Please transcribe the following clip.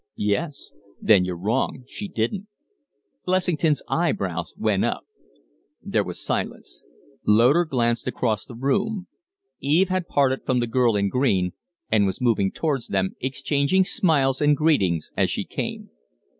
"Yes." "Then you're wrong. She didn't." Blessington's eyebrows went up. There was silence. Loder glanced across the room. Eve had parted from the girl in green and was moving towards them, exchanging smiles and greetings as she came.